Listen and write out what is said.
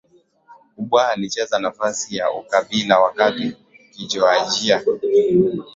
kubwa Alicheza nafasi ya ukabila wakati Kijojiajia